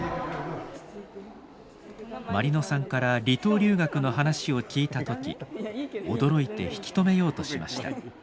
毬乃さんから離島留学の話を聞いた時驚いて引き止めようとしました。